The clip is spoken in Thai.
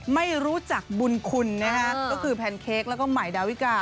ไม่รู้จักบุญคุณนะฮะก็คือแพนเค้กแล้วก็ใหม่ดาวิกา